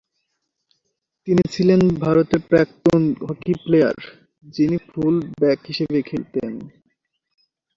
তিনি ছিলেন ভারতের প্রাক্তন হকি প্লেয়ার যিনি ফুল ব্যাক হিসেবে খেলতেন।